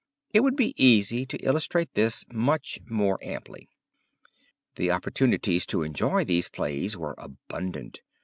It would be easy to illustrate this much more amply. The opportunities to enjoy these plays were abundant.